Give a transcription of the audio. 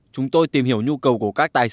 chúng tôi tìm hiểu nhu cầu của các tài sản